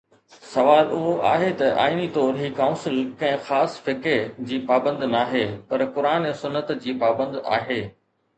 سوال اهو آهي ته آئيني طور هي ڪائونسل ڪنهن خاص فقه جي پابند ناهي، پر قرآن ۽ سنت جي پابند آهي.